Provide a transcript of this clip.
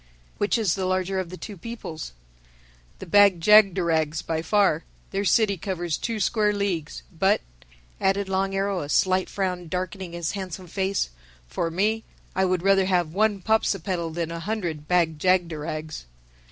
"Which is the larger of the two peoples?" "The Bag jagderags, by far. Their city covers two square leagues. But," added Long Arrow a slight frown darkening his handsome face, "for me, I would rather have one Popsipetel than a hundred Bag jagderags."